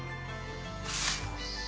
よし。